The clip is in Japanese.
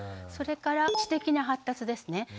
それから知的な発達ですね。